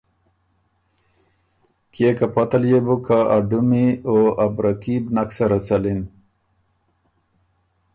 کيې که پته ليې بُک که ا ډُمي او ا بره کي بو نک سَرَه څَلِن۔